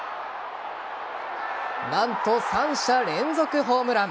何と３者連続ホームラン。